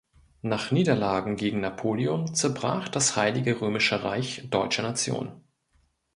Nach Niederlagen gegen Napoleon zerbrach das Heilige Römische Reich Deutscher Nation.